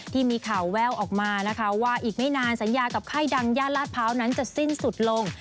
ที่มีข่าวแววออกมานะคะว่าอีกไม่นานสัญญากับค่ายดังย่านลาดพร้าวนั้นจะสิ้นสุดลง